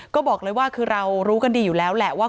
ก็บอกเลยว่าคือเรารู้กันดีอยู่แล้วแหละว่า